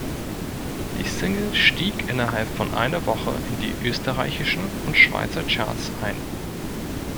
Die Single stieg innerhalb von einer Woche in die Österreichischen und Schweizer Charts ein.